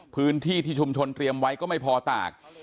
พื้นที่ที่ชุมชนเตรียมไว้ก็ไม่พอตาก